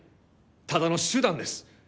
ただの手段です。